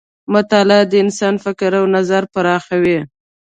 مطالعه د انسان فکر او نظر پراخوي.